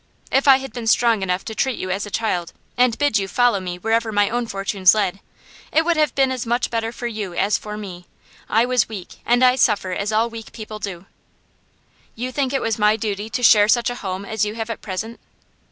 If I had been strong enough to treat you as a child, and bid you follow me wherever my own fortunes led, it would have been as much better for you as for me. I was weak, and I suffer as all weak people do.' 'You think it was my duty to share such a home as you have at present?